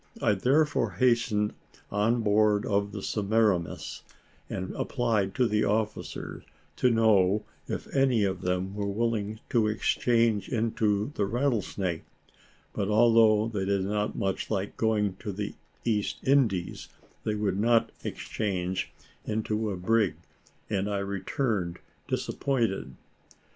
I therefore hastened on board of the Semiramis and applied to the officers to know if any of them were willing to exchange into the Rattlesnake; but although they did not much like going to the East Indies, they would not exchange into a brig, and I returned disappointed.